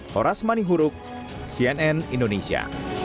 horas manihuruk cnn indonesia